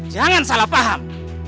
jangan salah paham